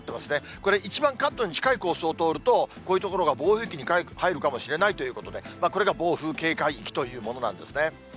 これ、一番関東に近いコースを通るとこういう所が暴風域に入るかもしれないということで、これが暴風警戒域というものなんですね。